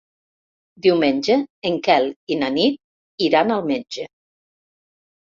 Diumenge en Quel i na Nit iran al metge.